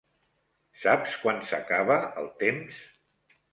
Saps quan s'acaba el temps?